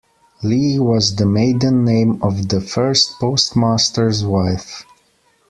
Leigh was the maiden name of the first postmaster's wife.